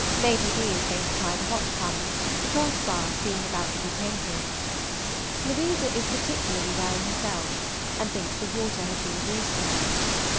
Lady B. is going to try the hot pump, the Cross bath being about to be painted. Louisa is particularly well herself, and thinks the water has been of use to her.